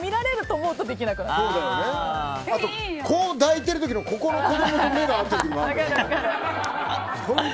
あと、こう抱いてる時のこの子供と目が合う時。